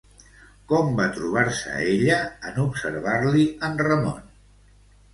Com va trobar-se ella en observar-li en Ramon?